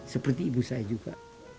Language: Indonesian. seperti ibu saya juga